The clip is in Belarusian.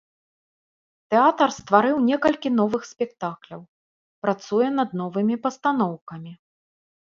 Тэатр стварыў некалькі новых спектакляў, працуе над новымі пастаноўкамі.